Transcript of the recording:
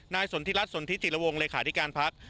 นายสนทิรัฐสนทิศิระวงเลยขาดิการพัก